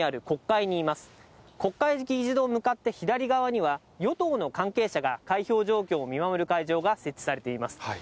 国会議事堂向かって左側には、与党の関係者が開票状況を見守る会場が設置されています。